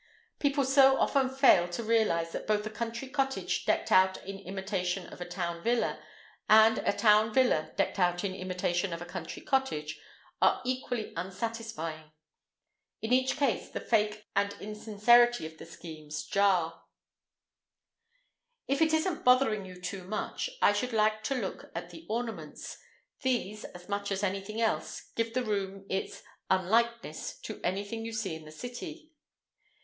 People so often fail to realise that both a country cottage decked out in imitation of a town villa, and a town villa decked out in imitation of a country cottage, are equally unsatisfying. In each case the fake and insincerity of the schemes jar. If it isn't bothering you too much, I should like you to look at the ornaments—these, as much as anything else, give the room its "unlikeness" to anything you see in the city.